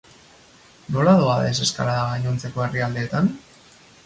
Nola doa deseskalada gainontzeko herrialdeetan?